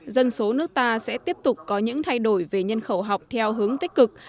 dân số nước ta sẽ tiếp tục có những thay đổi về nhân khẩu học theo hướng tích cực